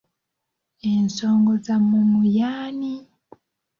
Ensongozamumu y'ani?